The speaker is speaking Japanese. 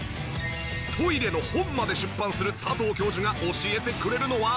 トイレの本まで出版する佐藤教授が教えてくれるのは？